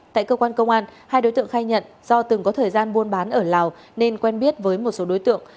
tại cơ quan công an hai đối tượng khai nhận do từng có thời gian buôn bán ở lào nên quen biết với một số đối tượng